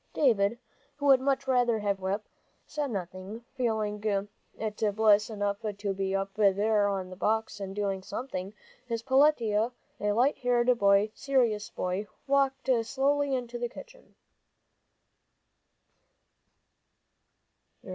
David, who would much rather have cracked the whip, said nothing, feeling it bliss enough to be up there on the box and doing something, as Peletiah, a light haired, serious boy, walked slowly into the kitchen.